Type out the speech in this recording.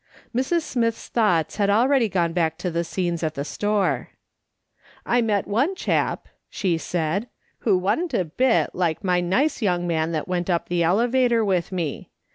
Mrs. Smith's thoughts had already gone back to tlie scenes at the store. " I met one chap," she said, " who wa'n't a bit like my nice young man that went up the elevator with me.